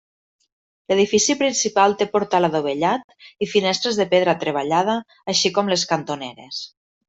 L'edifici principal té portal adovellat i finestres de pedra treballada així com les cantoneres.